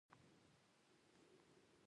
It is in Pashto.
آیا مهاجرین پانګه راوړي؟